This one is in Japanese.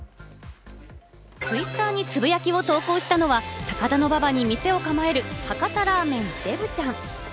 ツイッターにつぶやきを投稿したのは、高田馬場に店を構える「博多ラーメンでぶちゃん」。